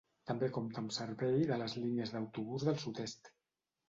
També compta amb servei de les línies d'autobús del sud-est.